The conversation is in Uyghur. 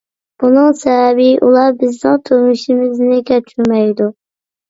بۇنىڭ سەۋەبى، ئۇلار بىزنىڭ تۇرمۇشىمىزنى كەچۈرمەيدۇ.